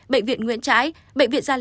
bệnh viện nguyễn trãi bệnh viện gia liễu